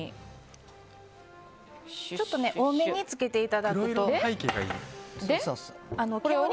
ちょっと多めにつけていただくと。